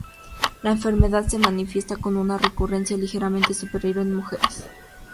La enfermedad se manifiesta con una recurrencia ligeramente superior en mujeres.